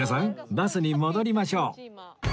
バスに戻りましょう！